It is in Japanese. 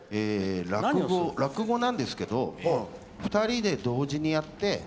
落語なんですけど２人で同時にやって。